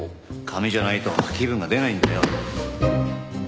紙じゃないと気分が出ないんだよ。